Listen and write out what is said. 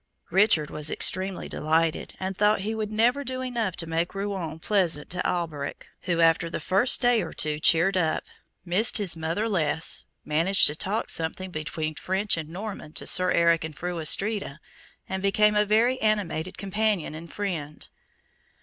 Richard was extremely delighted, and thought he could never do enough to make Rouen pleasant to Alberic, who after the first day or two cheered up, missed his mother less, managed to talk something between French and Norman to Sir Eric and Fru Astrida, and became a very animated companion and friend.